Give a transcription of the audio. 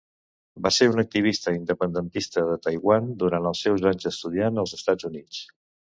Va ser un activista independentista de Taiwan durant els seus anys d'estudiant als Estats Units.